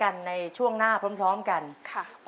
อีสี่ใบทุกนัก